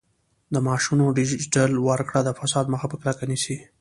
د معاشونو ډیجیټل ورکړه د فساد مخه په کلکه نیسي.